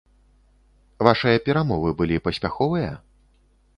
Вашыя перамовы былі паспяховыя?